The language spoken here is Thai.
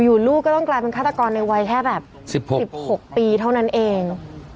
ลูกก็ต้องกลายเป็นฆาตกรในวัยแค่แบบ๑๖ปีเท่านั้นเอง